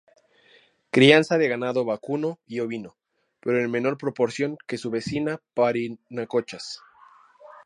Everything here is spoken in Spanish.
Crianza de ganado vacuno y ovino, pero en menor proporción que su vecina Parinacochas.